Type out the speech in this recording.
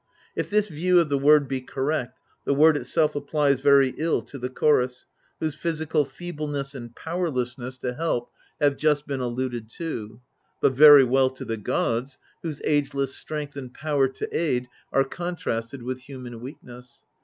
If this view of the word be correct, the word itself applies very ill to the chorus, whose physical feebleness and powerlessness to help PREFACE xxix have just been alluded to : but very well to the gods, whose ageless strength and power to aid are contrasted with human weakness.